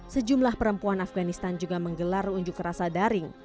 sejumlah perempuan afganistan juga menggelar unjuk rasa daring